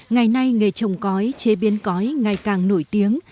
ngày nay nghề trồng cói chế biến cói ngày càng nổi tiếng